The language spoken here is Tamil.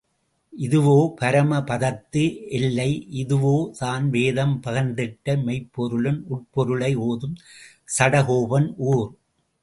இதுவோ பரம பதத்து எல்லை இதுவோ தான் வேதம் பகர்ந்திட்ட மெய்ப்பொருளின் உட்பொருளை ஓதும் சடகோபன் ஊர்?